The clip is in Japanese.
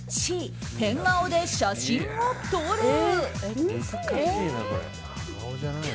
Ｃ、変顔で写真を撮る。